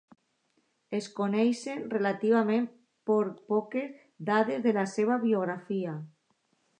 Es coneixen relativament poques dades de la seva biografia.